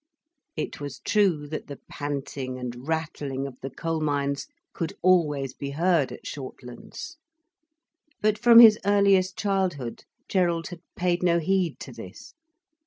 It was true that the panting and rattling of the coal mines could always be heard at Shortlands. But from his earliest childhood, Gerald had paid no heed to this.